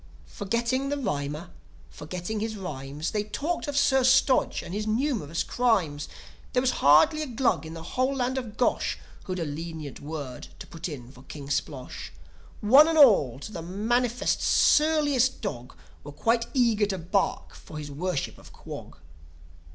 Forgetting the rhymer, forgetting his rhymes, They talked of Sir Stodge and his numerous crimes. There was hardly a C3lug in the whole land of Gosh Who'd a lenient word to put in for King Splosh. One and all, to the mangiest, surliest dog, Were quite eager to bark for his Worship of Quog.